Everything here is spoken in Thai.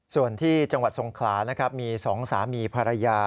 ส่วนที่จังหวัดทรงขลานะครับมี๒สามีภรรยา